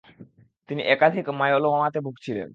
তিনি একাধিক মায়োলোমাতে ভুগছিলেন।